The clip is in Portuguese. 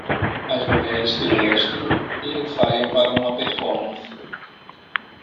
As mulheres se vestem e ensaiam para uma performance.